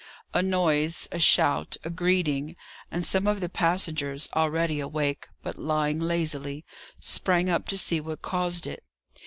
A noise, a shout, a greeting! and some of the passengers, already awake, but lying lazily, sprang up to see what caused it.